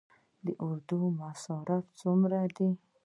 د اردو مصارف څومره دي؟